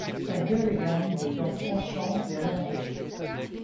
Sa gueule est garnie de dents tranchantes et allongées.